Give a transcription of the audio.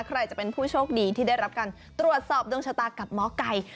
ใครจะเป็นผู้โชคดีที่ได้รับการตรวจสอบดวงชะตากับหมอไก่